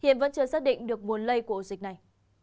hiện vẫn chưa xác định được nguồn lây của ổ dịch này